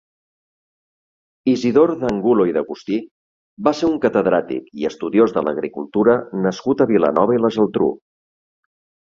Isidor d'Angulo i d'Agustí va ser un catedràtic i estudiós de l'agricultura nascut a Vilanova i la Geltrú.